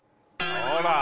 ほら。